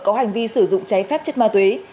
có hành vi sử dụng cháy phép chất ma túy